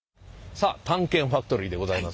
さあ「探検ファクトリー」でございます。